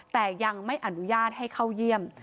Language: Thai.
แต่ยังไม่อนุญาตให้เข้าเยี่ยม